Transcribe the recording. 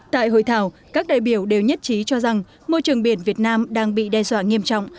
tại hội thảo các đại biểu đều nhất trí cho rằng môi trường biển việt nam đang bị đe dọa nghiêm trọng